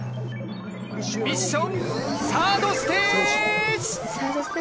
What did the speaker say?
ミッションサードステージ。